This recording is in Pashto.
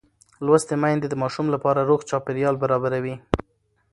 لوستې میندې د ماشوم لپاره روغ چاپېریال برابروي.